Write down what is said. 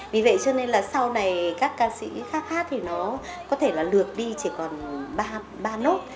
vì vậy cho nên là sau này các ca sĩ khác hát hát thì nó có thể là lược đi chỉ còn ba nốt